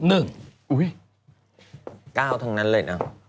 อุ๊ย๙ทั้งนั้นเลยนะ